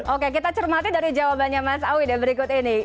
oke kita cermati dari jawabannya mas awi deh berikut ini